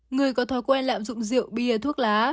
người có thói quen lạm dụng rượu bia thuốc lá